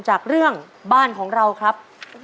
จากเรื่องบ้านของเราครับ